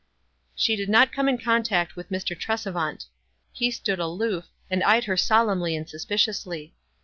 She did not come in contact with Mr. Trese vant. He stood aloof, and eyed her solemnly and suspiciously.